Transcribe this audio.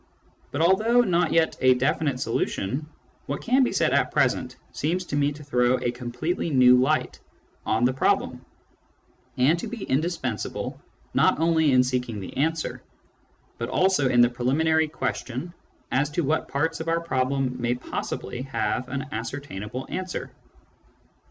But although not yet a definite solution, what can be said at present seems to me to throw a completely new light on the problem, and to be indispensable, not only in seeking the answer, but also in the preliminary question as to what parts of our problem may possibly have an ascertainable answer.